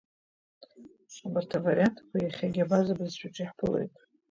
Абарҭ авариантқәа иахьагьы абаза бызшәаҿы иаҳԥылоит…